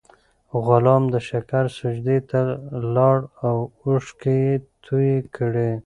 غلام د شکر سجدې ته لاړ او اوښکې یې تویې کړې.